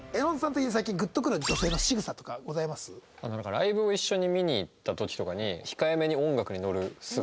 ライブを一緒に見に行った時とかに控えめに音楽にノる姿とか。